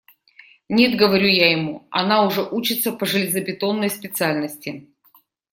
«Нет, – говорю я ему, – она уже учится по железобетонной специальности».